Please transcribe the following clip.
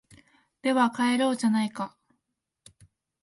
では帰ろうじゃないか